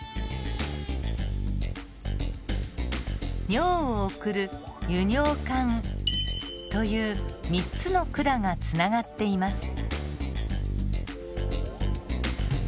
尿を送る輸尿管という３つの管がつながっています。